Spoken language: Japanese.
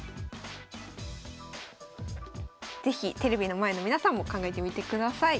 是非テレビの前の皆さんも考えてみてください。